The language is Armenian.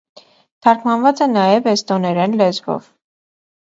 Թարգմանված է նաև էստոներեն լեզվով)։